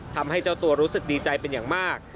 ทำให้เจ้าตัวรู้สึกดีใจเป็นอย่างมาก